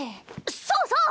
そうそう！